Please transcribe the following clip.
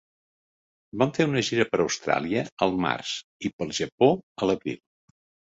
Van fer una gira per Austràlia al març i pel Japó a l'abril.